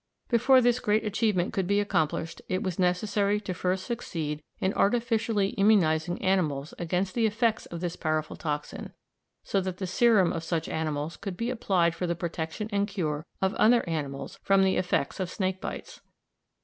Before this great achievement could be accomplished it was necessary to first succeed in artificially immunising animals against the effects of this powerful toxin, so that the serum of such animals could be applied for the protection and cure of other animals from the effects of snakebites.